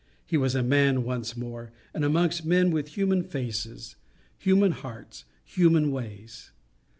He was a man once more, and amongst men with human faces, human hearts, human ways.